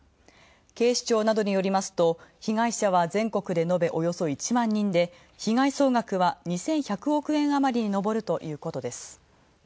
警視庁などによりますと被害者は、全国で述べおよそ１万人で、被害総額は２１００億円あまりに上るということです。